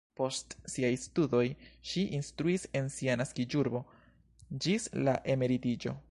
Post siaj studoj ŝi instruis en sia naskiĝurbo ĝis la emeritiĝo.